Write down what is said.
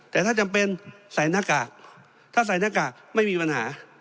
แต่ถ้าจำเป็นใส่หน้ากากถ้าใส่หน้ากากไม่มีปัญหา